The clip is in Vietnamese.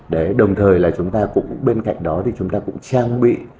đấy đồng thời là chúng ta cũng bên cạnh đó thì chúng ta cũng trang bị